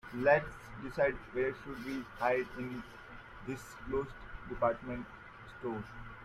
Let's decide where should we hide in this closed department store.